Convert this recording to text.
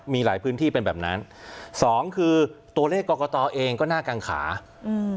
มีหลายพื้นที่เป็นแบบนั้นสองคือตัวเลขกรกตเองก็น่ากังขาอืม